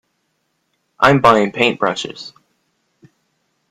I’m buying paintbrushes.